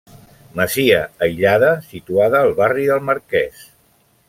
Masia aïllada, situada al barri del Marquès.